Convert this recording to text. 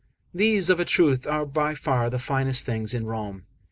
These, of a truth, are by far the finest things in Rome.